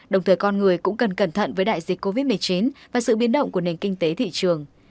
đồng thời con người cũng cần cẩn thận với đại dịch covid một mươi chín và sự biến động của nền kinh tế thị trường